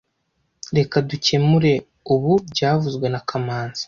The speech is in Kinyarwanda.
Reka dukemure ubu byavuzwe na kamanzi